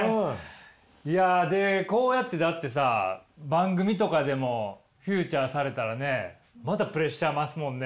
いやこうやってだってさ番組とかでもフィーチャーされたらねまたプレッシャー増すもんね。